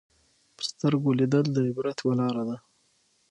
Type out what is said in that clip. په سترګو لیدل د عبرت یوه لاره ده